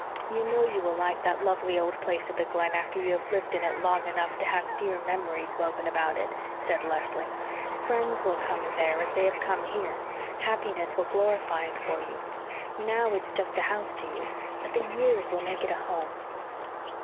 "You know you will like that lovely old place at the Glen after you have lived in it long enough to have dear memories woven about it," said Leslie. "Friends will come there, as they have come here happiness will glorify it for you. Now, it's just a house to you but the years will make it a home."